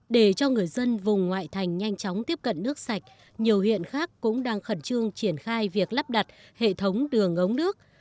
để cho người dân vùng ngoại thành nhanh chóng tiếp cận nước sạch nhiều huyện khác cũng đang khẩn trương triển khai việc lắp đặt hệ thống đường ống nước